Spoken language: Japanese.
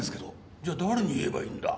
じゃあ誰に言えばいいんだ。